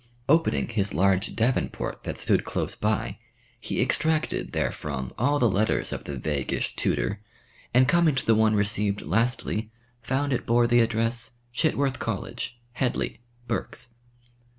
Opening his large Davenport that stood close by, he extracted therefrom all the letters of the vaguish tutor, and coming to the one received lastly, found it bore the address, "Chitworth College, Hedley, Berks."